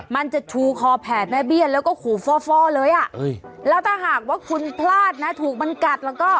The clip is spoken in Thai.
มันจะชูคอแผดแม่เบียนแล้วก็ขูฟ้อเลยแล้วถ้าหากว่าคุณพลาดนะถูกมันกัด